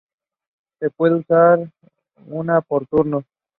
Se puede usar una por turno.